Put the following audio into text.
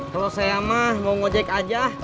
kalau saya mah mau ngejek aja